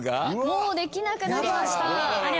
もうできなくなりました。